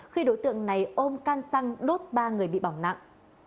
khi đối tượng này ôm can xăng đốt ba người bị bỏng nặng